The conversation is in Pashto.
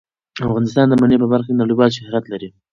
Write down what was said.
افغانستان د منی په برخه کې نړیوال شهرت لري.